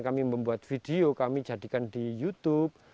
kami membuat video kami jadikan di youtube